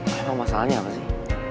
emang masalahnya apa sih